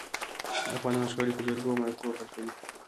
افغانان شخړي په جرګو او مرکو حل کوي.